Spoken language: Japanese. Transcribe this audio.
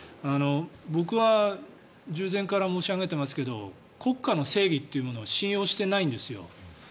僕は従前から申し上げていますが国家の正義というものを信用していないんですよ。